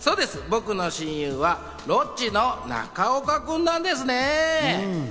僕の親友はロッチの中岡君なんですね。